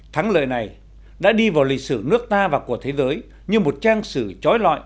thắng lời này đã đi vào lịch sử nước ta và của thế giới như một trang sử trói lọi